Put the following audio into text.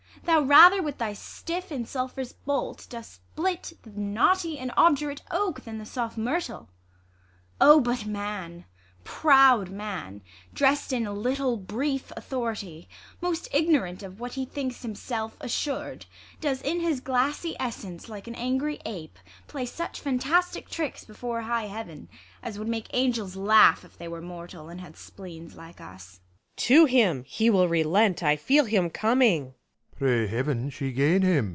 Thou rather with thy stiff and sulph'rous bolt Dost split the knotty and obdurate oak Thau the soft myrtle. 0 but man, proud man, THE LAW AGAINST LOVERS. 141 Drest in a little brief authority, Most ignorant of what he thinks himself Assur'd, does in his glassy essence, like An angry ape, play such fantastic tricks Before high Heaven, as would make angels laugh If they were mortal, and had spleens like us. * Luc. To him ! he will relent, I feel him coming. Prov. Pray Heaven she gain him ! Ang.